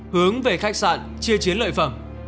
hướng về khách sạn chia chiến lợi phẩm